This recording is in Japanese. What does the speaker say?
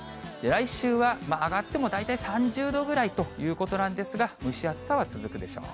来週は上がっても大体３０度ぐらいということなんですが、蒸し暑さは続くでしょう。